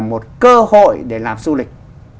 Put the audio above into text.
một cơ hội để làm du lịch